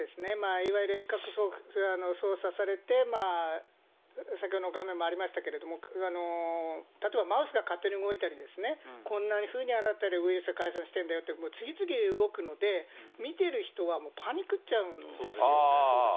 いわゆる遠隔操作されて、先ほどの画面もありましたけれども、例えばマウスが勝手に動いたりですとかね、こんなふうにあなたにウイルスが感染してるんだよって、次々動くので、見てる人は、パニクっちゃうんですよ。